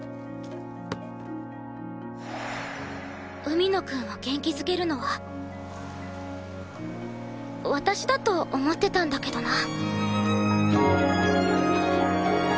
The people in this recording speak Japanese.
海野くんを元気づけるのは私だと思ってたんだけどな。